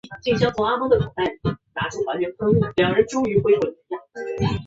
劳工处交通费支援计划